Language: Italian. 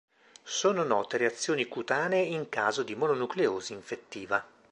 Sono note reazioni cutanee in caso di mononucleosi infettiva.